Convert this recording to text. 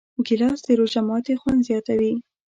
ګیلاس د روژه ماتي خوند زیاتوي.